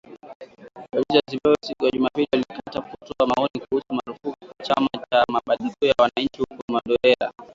Polisi wa Zimbabwe, siku ya Jumapili walikataa kutoa maoni kuhusu marufuku kwa chama cha mabadiliko ya wananchi huko Marondera.